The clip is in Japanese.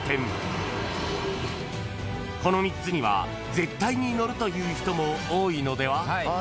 ［この３つには絶対に乗るという人も多いのでは？］